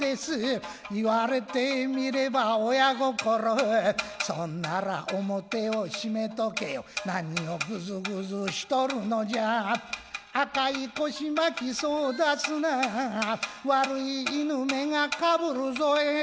言われてみれば親心そんなら表を閉めとけよなにをグズグズしとるのじゃ赤い腰巻そう出すな悪い犬めが被るぞえ